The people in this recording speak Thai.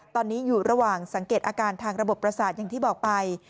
ตอนนี้อยู่ระหว่างสังเกตอาการทางระบบประสาทอย่างที่บอกไป